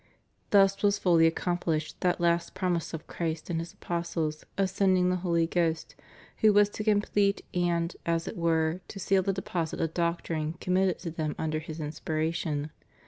"^ Thus was fully accomplished that last promise of Christ to His apostles of sending the Holy Ghost, who was to complete and, as it were, to seal the deposit of doctrine committed to them under His inspiration.